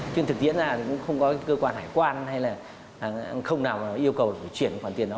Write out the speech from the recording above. chứ thực tiễn ra thì cũng không có cơ quan hải quan hay là không nào yêu cầu chuyển khoản tiền đó